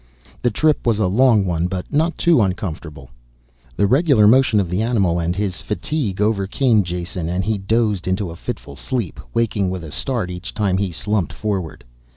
The trip was a long one, but not too uncomfortable. The regular motion of the animal and his fatigue overcame Jason and he dozed into a fitful sleep, waking with a start each time he slumped forward.